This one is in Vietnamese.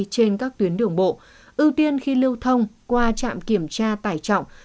trên các tuyến đường bộ ưu tiên khi lưu thông qua trạm kiểm tra tải trọng